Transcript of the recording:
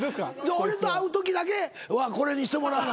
俺と会うときだけはこれにしてもらわな。